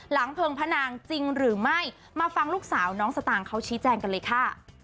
เพิงพนางจริงหรือไม่มาฟังลูกสาวน้องสตางค์เขาชี้แจงกันเลยค่ะ